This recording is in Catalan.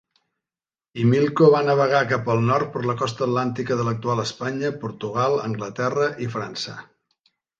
Himilco va navegar cap al nord per la costa atlàntica de l'actual Espanya, Portugal, Anglaterra i França.